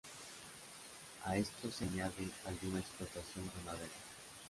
A esto se añade alguna explotación ganadera.